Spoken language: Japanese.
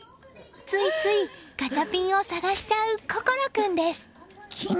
ついついガチャピンを探しちゃう心君です。